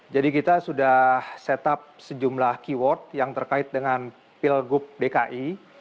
jadi kita sudah setup sejumlah keyword yang terkait dengan pilkup dki